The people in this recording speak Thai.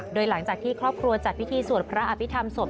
โดยหลังจากที่ครอบครัวจัดพิธีสวดพระอภิษฐรรมศพ